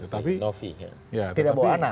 tidak bawa anak